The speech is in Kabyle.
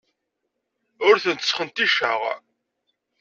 Ur tent-sxenticeɣ.